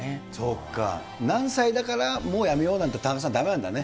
何歳だからもうやめようなんて、田中さん、だめなんだね。